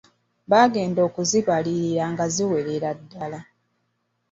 Bagenda okuzibalirira nga ziwerera ddala.